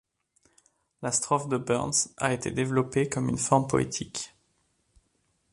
La strophe de Burns a été développée comme une forme poétique.